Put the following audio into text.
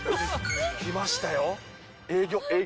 来ましたよ。